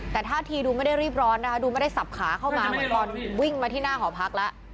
แต่ท่าทีดูไม่ได้รีบร้อนนะคะดูไม่ได้สับขาเข้ามาเหมือนตอนวิ่งมาที่หน้าหอพักแล้ว